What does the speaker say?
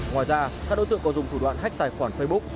ngoài ra các đối tượng còn dùng thủ đoạn hách tài khoản facebook